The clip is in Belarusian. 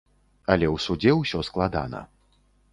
Але ў судзе ўсё складана.